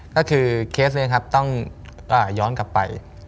ก็คือเคสนี้ครับต้องย้อนกลับไป